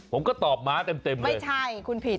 ผมก็ตอบม้าเต็มเลยไม่ใช่คุณผิด